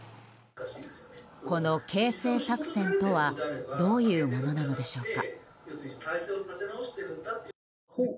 この形成作戦とはどういうものなのでしょうか。